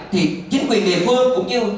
thì chính quyền địa phương cũng như